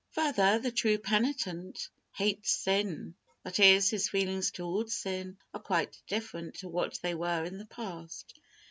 Further, the true penitent hates sin; that is, his feelings towards sin are quite different to what they were in the past.